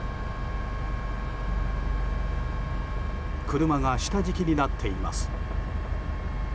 車が下敷きになっています。